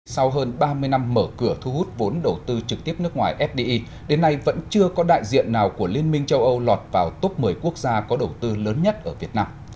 sau hơn ba mươi năm mở cửa thu hút vốn đầu tư trực tiếp nước ngoài fdi đến nay vẫn chưa có đại diện nào của liên minh châu âu lọt vào top một mươi quốc gia có đầu tư lớn nhất ở việt nam